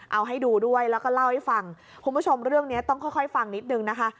เอาให้ดูด้วยแล้วก็เล่าให้ฟังคุณผู้ชมเรื่องนี้ต้องค่อยค่อยฟังนิดนึงนะคะ